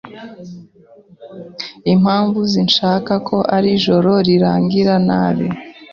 'Impamvu sinshaka ko iri joro rirangira nabi